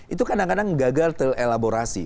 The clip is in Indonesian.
itu kadang kadang gagal terelaborasi